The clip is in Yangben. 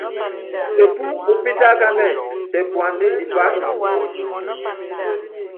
Epú upítákanɛ́, tɛ puanda ndipá imenyen.